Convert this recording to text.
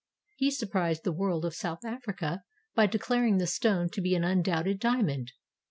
He surprised the world of South Africa by declaring the stone to be an undoubted dia mond.